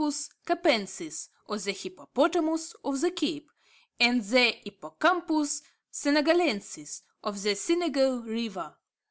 Capensis_, or the hippopotamus of the Cape, and the H. Senegalensis of the Senegal river.